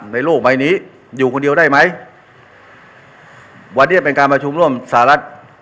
โลกใบนี้อยู่คนเดียวได้ไหมวันนี้เป็นการประชุมร่วมสหรัฐ